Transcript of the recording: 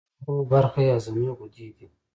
دویمه برخه یې هضمي غدې دي.